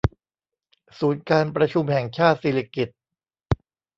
ศูนย์การประชุมแห่งชาติสิริกิติ์